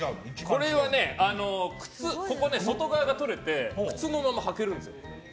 これは靴、外側がとれて靴のまま履けるんですよ。